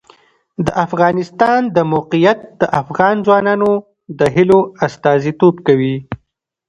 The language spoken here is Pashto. د افغانستان د موقعیت د افغان ځوانانو د هیلو استازیتوب کوي.